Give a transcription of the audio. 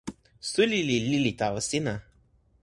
suli li lili tawa sina.